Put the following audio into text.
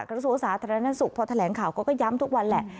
กระทรวษาแถลงหน้าสุขพอแถลงข่าวก็ย้ำทุกวันแหละ